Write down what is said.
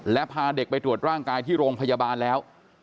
และพาเด็กไปตรวจร่างกายที่โรงพยาบาลแล้ว